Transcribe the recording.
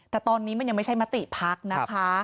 แต่ตอนนี้มันยังไม่ใช่มติพักนะคะ